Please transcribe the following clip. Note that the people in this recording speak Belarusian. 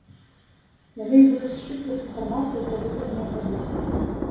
Яны і будуць счытваць інфармацыю пра выбраныя прадукты.